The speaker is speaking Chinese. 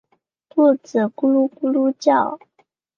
肚子咕噜咕噜叫